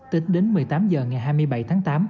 tính đến một mươi tám h ngày hai mươi bảy tháng tám